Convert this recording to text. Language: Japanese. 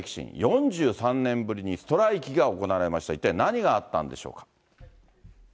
４３年ぶりにストライキが行われました、一体何があったんでしょうか。